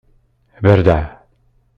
Berdeɛ.